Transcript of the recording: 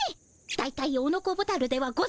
だいたいオノコボタルではございません。